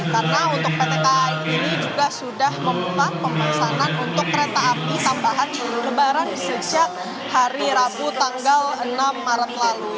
karena untuk pt kai ini juga sudah membuka pemesanan untuk kereta api tambahan kebarang sejak hari rabu tanggal enam maret lalu